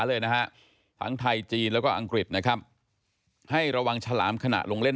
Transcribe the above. เลยนะฮะทั้งไทยจีนแล้วก็อังกฤษนะครับให้ระวังฉลามขณะลงเล่น